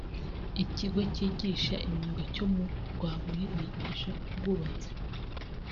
Ikigo cyigisha imyuga cyo mu Rwabuye yigisha ubwubatsi